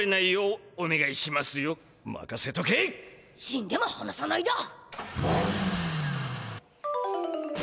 死んでもはなさないだ。